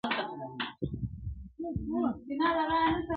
هغه ليوني ټوله زار مات کړی دی